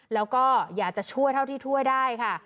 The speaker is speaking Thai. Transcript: แล้วก็อยากจะช่วยเท่าที่ช่วยได้ค่ะ